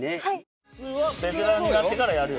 「ベテランになってからやるよ」